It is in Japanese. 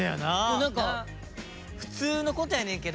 何か普通のことやねんけど